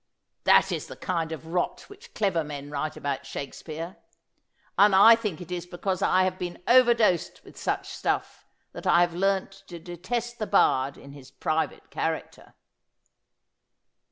That is the kind of rot which clever men write about Shake speare ; and I think it is because I have been overdosed with such stuff that I have learned to detest the bard in his private character.'